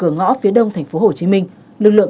ngõ phía đông thành phố hồ chí minh lực lượng